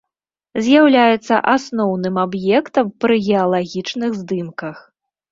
З'яўляюцца асноўным аб'ектам пры геалагічных здымках.